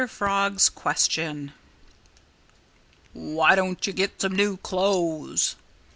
FROG'S QUESTION "Why don't you get some new clothes?"